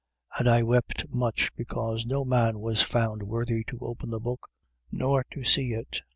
5:4. And I wept much, because no man was found worthy to open the book, nor to see it.